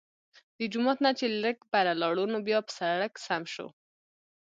د جومات نه چې لږ بره لاړو نو بيا پۀ سړک سم شو